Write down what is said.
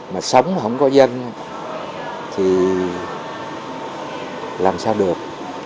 mà sống không có dân thì làm sao được